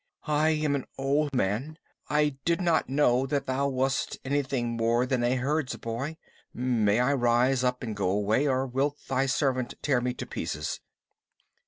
"I am an old man. I did not know that thou wast anything more than a herdsboy. May I rise up and go away, or will thy servant tear me to pieces?"